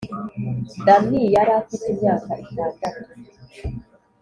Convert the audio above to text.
Dami yari afite imyaka itandatu